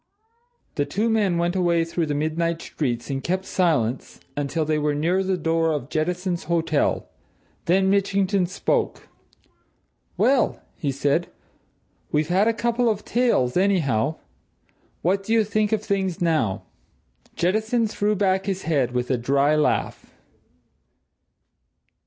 The two men went away through the midnight streets, and kept silence until they were near the door of Jettison's hotel. Then Mitchington spoke. "Well!" he said. "We've had a couple of tales, anyhow! What do you think of things, now?" Jettison threw back his head with a dry laugh.